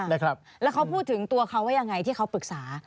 แล้วเขาพูดถึงตัวเขาว่ายังไงที่เขาปรึกษา